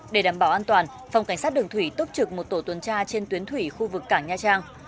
để đảm bảo an toàn phòng cảnh sát đường thủy túc trực một tổ tuần tra trên tuyến thủy khu vực cảng nha trang